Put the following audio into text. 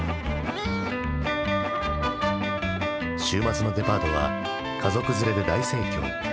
週末のデパートは家族連れで大盛況。